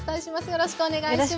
よろしくお願いします。